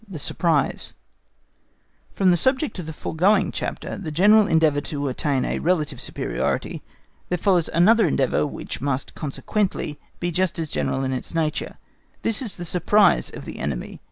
The Surprise From the subject of the foregoing chapter, the general endeavour to attain a relative superiority, there follows another endeavour which must consequently be just as general in its nature: this is the surprise of the enemy.